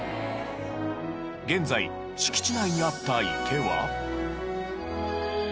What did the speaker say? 現在敷地内にあった池は。